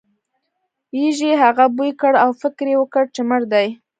یږې هغه بوی کړ او فکر یې وکړ چې مړ دی.